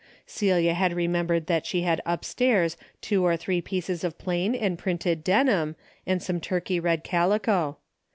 Celia had remembered that she had upstairs two or three pieces of plain and printed denim and some turkey red calico.